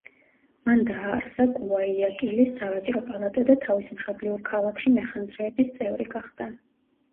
მან დააარსა გუაიაკილის სავაჭრო პალატა და თავის მშობლიურ ქალაქში მეხანძრეების წევრი გახდა.